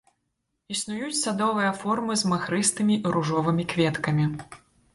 Існуюць садовыя формы з махрыстымі і ружовымі кветкамі.